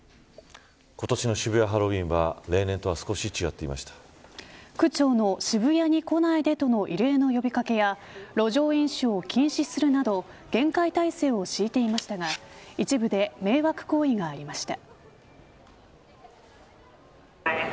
今年の渋谷ハロウィーンは区長の、渋谷に来ないでとの異例の呼び掛けや路上飲酒を禁止するなど厳戒体制を敷いていましたが一部で迷惑行為がありました。